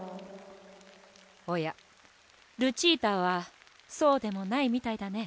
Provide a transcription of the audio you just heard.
おやルチータはそうでもないみたいだね。